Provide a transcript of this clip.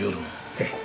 ええ。